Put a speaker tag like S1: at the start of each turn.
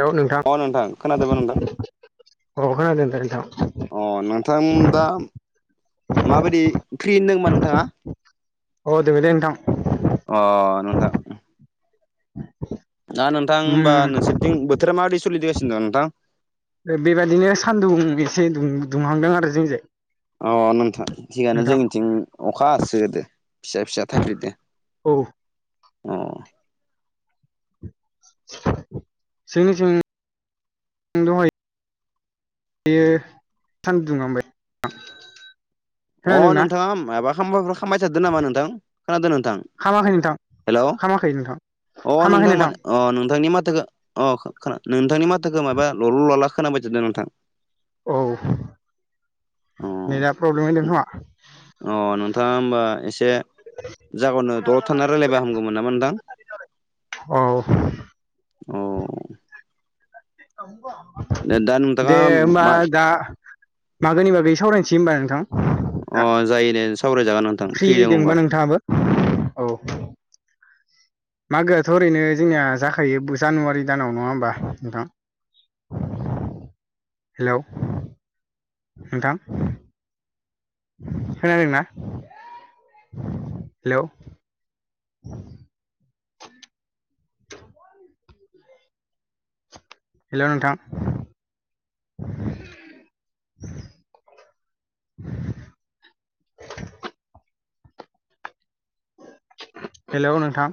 S1: हेल' नोंथां
S2: अ खोनादोंबा नोंथां
S1: अ खोनादों दा नोंथां
S2: अ नोंथां दा माबायदि फ्रि दोंबा नोंथाङा
S1: औ दे‌ नोंथां
S2: अ नोंथां
S1: औ
S2: दा नोंथां होमबा नोंसोरथिं बोथोरा माबायदि सोलिगासिनो दं नोंथां
S1: बेबायदिनो सानदुं एसे दुंहांदों आरो जोंनिजाय
S2: अ नोंथां थिगानो जोंनिथिं अखा हासो गारदो फिसा फिसा थाइफ्रिदो
S1: औ
S2: अ
S1: जोंनिथिं दङो बेयो सान्दुं दुंहांबाय नोंथां
S2: अ नोंथाङा माबा खामबाय थादो नामा नोंथां खोनादों नोंथां
S1: खामाखै नोंथां
S2: हेल'
S1: खामाखै नोंथां
S2: अ नोंथां मा अ नोंथांनि माथोखौ अ खोना नोंथांनि माथोखौ माबा लल' लला खोनाबाय जादों नोंथां
S1: औ
S2: अ
S1: नेटआ प्रब्लेम खोमा
S2: अ नोंथाङा होमबा एसे जागावनो दलर थाना रायल्लबा हामगौमोन नामा नोंथां
S1: औ
S2: अ दा नोंथाङा
S1: दे होमबा
S2: मा
S1: गा मागोनि बागै सावरायसै होनबा नोंथां दा
S2: अ जायोनो सावरायजागोन नोंथां फ्रि
S1: फ्रियै
S2: दङ
S1: दोंबा
S2: बा
S1: नोंथाङाबो औ मागोआथ' ओरैनो जोंनिया जाखायो जानुवारि दानाव नङा होमबा नोंथां हेल' नोंथां खोनादों ना हेल' हेल' नोंथां हेल' नोंथां